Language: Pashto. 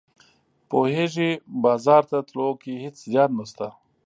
پوهیږې بازار ته تلو کې هیڅ زیان نشته